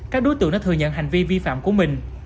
các đối tượng đã thừa nhận hành vi vi phạm của mình